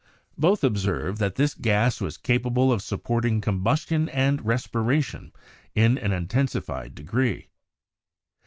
Both observed that this gas was capable of supporting combustion and respiration in an intensified degree.